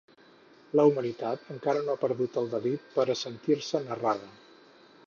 La humanitat encara no ha perdut el delit per a sentir-se narrada.